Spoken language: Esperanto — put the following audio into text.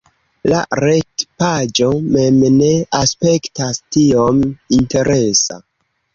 La retpaĝo mem ne aspektas tiom interesa